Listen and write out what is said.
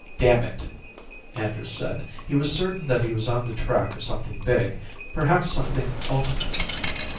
"Damn it," Anders said. He was certain that he was on the track of something big, perhaps something ultimate.